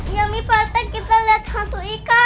iya mih pak rete kita liat hantu ika